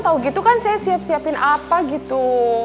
tau gitu kan saya siap siapin apa gitu